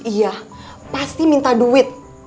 iya pasti minta duit